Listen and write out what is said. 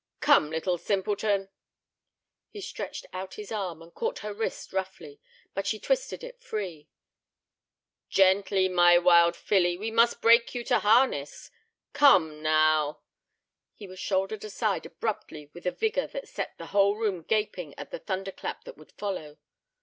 "Come, little simpleton." He stretched out an arm, and caught her wrist roughly. But she twisted it free. "Gently, my wild filly; we must break you to harness. Come—now—" He was shouldered aside abruptly with a vigor that set the whole room gaping at the thunderclap that would follow.